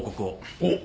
おっ。